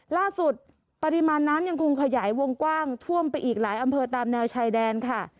ล่าสุดปริมาณน้ำยังคงขยายวงกว้างท่วมไปอีกหลายอำเภอตามแนวชายแดนค่ะ